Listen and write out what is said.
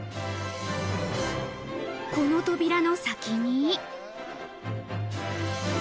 この扉の先に。